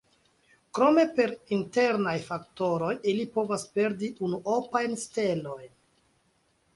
Krome per internaj faktoroj ili povas perdi unuopajn stelojn.